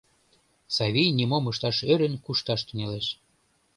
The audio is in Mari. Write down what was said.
Савий нимом ышташ ӧрын кушташ тӱҥалеш.